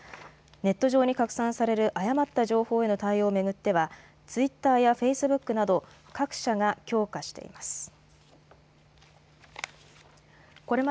ネット上に拡散される誤った情報への対応を巡ってはツイッターやフェイスブックなど各社が強化しています。